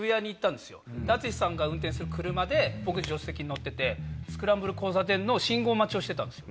で淳さんが運転する車で僕助手席に乗っててスクランブル交差点の信号待ちをしてたんですよ。